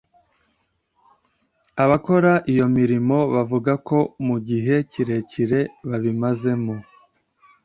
Abakora iyo mirimo bavuga ko mu gihe kirekire babimazemo